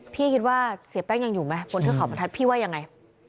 พี่คิดว่าเสียแป้งยังอยู่ไหมบนเทือกเขาบรรทัศน์พี่ว่ายังไง